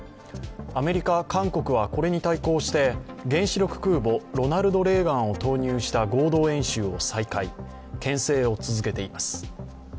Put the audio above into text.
アメリカ、韓国はこれに対抗して原子力空母「ロナルド・レーガン」を投入した合同演習を再開、けん制を続けています。